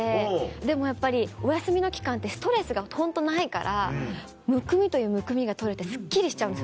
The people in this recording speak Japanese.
でもやっぱりお休みの期間ってストレスがホントないからむくみというむくみが取れてすっきりしちゃうんですよ